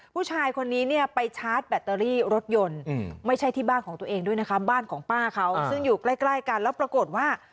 ผู้ชายคนนี้เนี่ยไปชาร์จแบตเตอรี่รถยนต์ไม่ใช่ที่บ้านของตัวเองด้วยนะคะบ้านของป้าเขาซึ่งอยู่ใกล้กันแล้วปรากฏว่า